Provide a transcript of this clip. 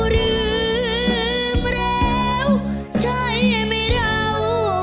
ลืมแล้วใช่ไหมเรา